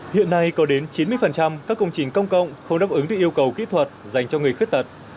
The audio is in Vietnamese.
hiện nay có đến chín mươi các công trình công cộng không đáp ứng được yêu cầu kỹ thuật dành cho người khuyết tật